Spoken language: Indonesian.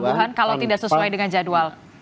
kebutuhan kalau tidak sesuai dengan jadwal